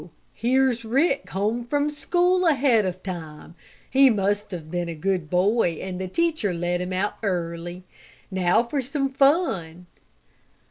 Here's Rick home from school ahead of time! He must have been a good boy and the teacher let him out early. Now for some fun!"